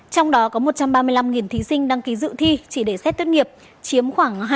trong đó có một trăm ba mươi năm thí sinh đăng ký dự thi chỉ để xét tốt nghiệp chiếm khoảng hai mươi